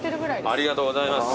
ありがとうございます。